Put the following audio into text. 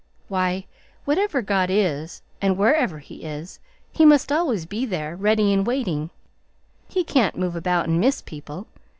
"Why, whatever God is, and wherever He is, He must always be there, ready and waiting. He can't move about and miss people.